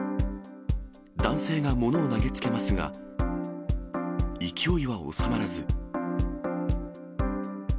男性が物を投げつけますが、勢いは収まらず。